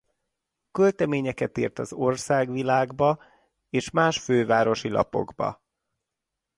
Költeményeket írt az Ország-Világba és más fővárosi lapokba.